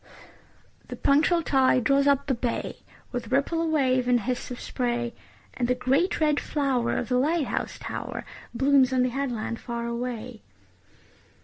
The punctual tide draws up the bay, With ripple of wave and hiss of spray, And the great red flower of the light house tower Blooms on the headland far away.